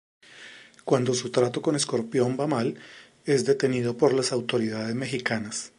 Cuando su trato con Escorpión va mal, es detenido por las autoridades mexicanas.